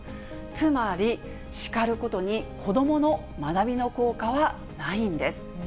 つまり叱ることに子どもの学びの効果はないんです。